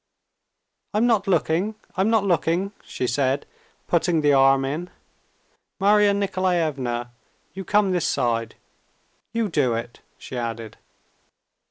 "I'm not looking, I'm not looking!" she said, putting the arm in. "Marya Nikolaevna, you come this side, you do it," she added.